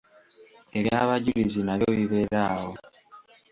Eby'abajulizi nabyo bibeera awo.